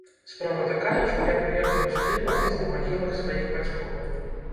Справа такая, што я прыехала сюды пабыць на магілах сваіх бацькоў.